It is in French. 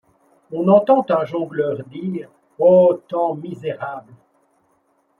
On entend un jongleur dire, -ô temps misérables !-